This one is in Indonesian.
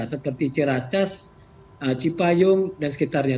seperti ciracas cipayung dan sekitarnya